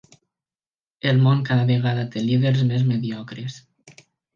El món cada vegada té líders més mediocres.